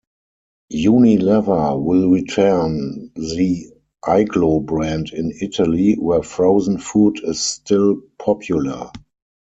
Unilever will retain the Iglo brand in Italy, where frozen food is still popular.